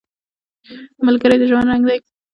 ملګری د ژوند رنګ دی